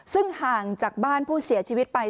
ซึ่งห่างจากบ้านผู้เสียชีวิตไป